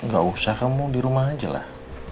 gak usah kamu di rumah aja lah